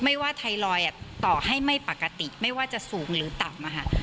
ไม่ว่าไทรอยด์ต่อให้ไม่ปกติไม่ว่าจะสูงหรือต่ำ